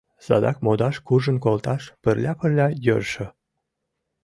Садак модаш куржын колташ пырля-пырля йӧршӧ...